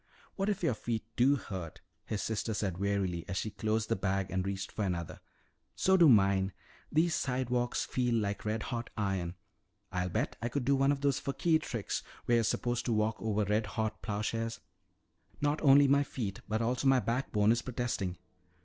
"What if your feet do hurt," his sister said wearily as she closed the bag and reached for another. "So do mine. These sidewalks feel like red hot iron. I'll bet I could do one of those fakir tricks where you're supposed to walk over red hot plowshares." "Not only my feet but also my backbone is protesting.